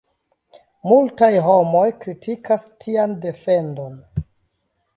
Multaj homoj kritikas tian defendon.